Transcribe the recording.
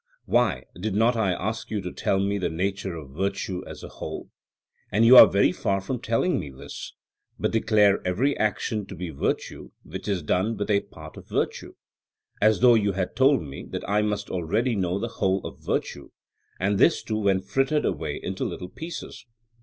Why, did not I ask you to tell me the nature of virtue as a whole? And you are very far from telling me this; but declare every action to be virtue which is done with a part of virtue; as though you had told me and I must already know the whole of virtue, and this too when frittered away into little pieces.